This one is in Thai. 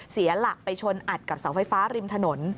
เสียหลักไปชนอัดกับเสาไฟฟ้าริมถนน